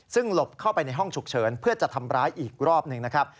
ซึ่งหลบเข้าไปในห้องฉุกเฉินเพื่อจะทำร้ายอีกรอบหนึ่งนะครับ